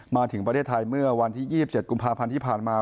มาถึงประเทศไทยเมื่อวันที่๒๗กุมภาพันธ์ที่ผ่านมา